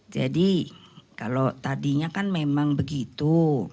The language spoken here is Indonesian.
jadi kalau tadinya kan memang begitu